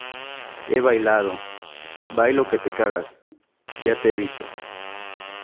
he bailado. bailo que te cagas. ya te he visto.